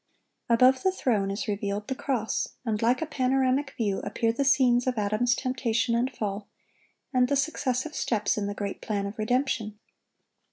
Above the throne is revealed the cross; and like a panoramic view appear the scenes of Adam's temptation and fall, and the successive steps in the great plan of redemption.